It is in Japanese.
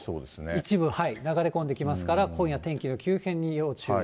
一部流れ込んできますから、今夜、天気の急変に要注意。